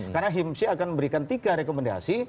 karena himsi akan memberikan tiga rekomendasi